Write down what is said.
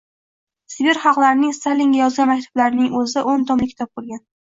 Sibir xalqlarining Stalinga yozgan maktublarining o’zi o’n tomli kitob bo’lgan.